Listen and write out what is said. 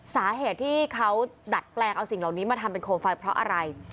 สาเหตุที่เขาดัดแปลงเอาสิ่งเหล่านี้มาทำเป็นโคมไฟเพราะอะไร